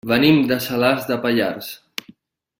Venim de Salàs de Pallars.